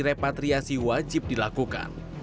repatriasi wajib dilakukan